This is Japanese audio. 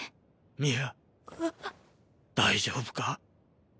ミア大丈夫か？